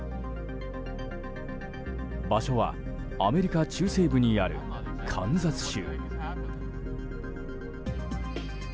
場所は、アメリカ中西部にあるカンザス州。